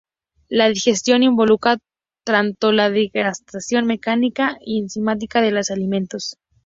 La digestión involucra tanto la degradación mecánica y enzimática de los alimentos.